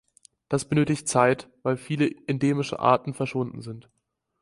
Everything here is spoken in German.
Das benötigt Zeit, weil viele endemische Arten verschwunden sind.